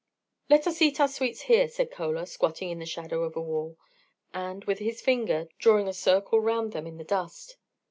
"Let us eat our sweets here," said Chola, squatting in the shadow of a wall; and, with his finger, drawing a circle round them in the dust.